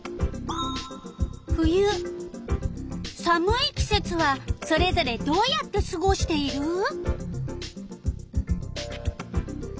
寒い季節はそれぞれどうやってすごしている？